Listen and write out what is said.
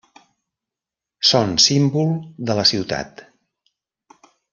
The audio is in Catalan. Són símbol de la ciutat.